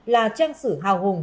là trang sử hào hùng